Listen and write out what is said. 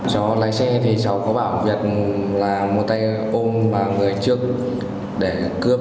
cháu lái xe thì cháu có bảo việt là một tay ôm vào người trước để cướp